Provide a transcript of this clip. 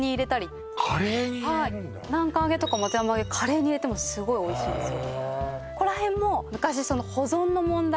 はい南関あげとか松山あげカレーに入れてもすごいおいしいですよ